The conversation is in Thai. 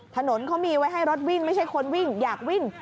ถนนเขามีไว้ให้รถวิ่งไม่ใช่คนวิ่งอยากวิ่ง